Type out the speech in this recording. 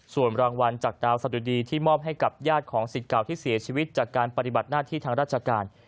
ส่วนรางวัลจากดาวสะดุดีที่มอบให้กับญาติของสิทธิ์เก่าที่เสียชีวิตจากการปฏิบัติหน้าที่ทางราชการ